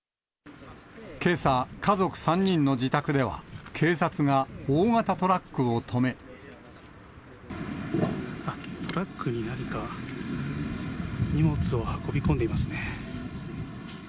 けさ、家族３人の自宅では、あっ、トラックに何か荷物を運び込んでいますね。